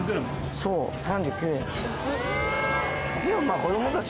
そう３９円。